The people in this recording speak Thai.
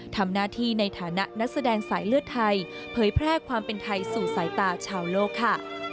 ทำหน้าที่ในฐานะนักแสดงสายเลือดไทยเผยแพร่ความเป็นไทยสู่สายตาชาวโลกค่ะ